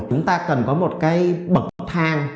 chúng ta cần có một cái bậc thang